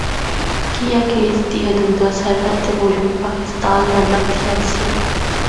کیانکہ اس دی حدوداں سرحد تے موجودہ پاکستان نال لگدیا آسیاں۔